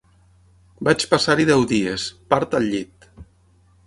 Vaig passar-hi deu dies, part al llit.